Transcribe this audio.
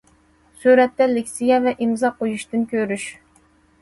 سۈرەتتە: لېكسىيە ۋە ئىمزا قويۇشتىن كۆرۈش.